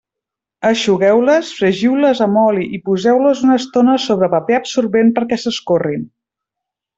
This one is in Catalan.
Eixugueu-les, fregiu-les amb oli i poseu-les una estona sobre paper absorbent perquè s'escorrin.